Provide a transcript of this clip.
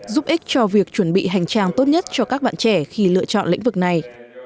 giúp ích cho việc chuẩn bị hành trang tốt nhất cho các bạn trẻ khi lựa chọn lĩnh vực này